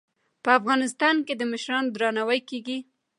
په افغانستان کې د مشرانو درناوی کیږي.